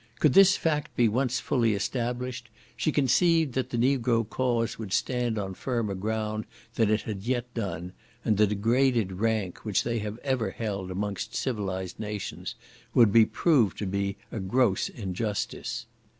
Could this fact be once fully established, she conceived that the Negro cause would stand on firmer ground than it had yet done, and the degraded rank which they have ever held amongst civilized nations would be proved to be a gross injustice.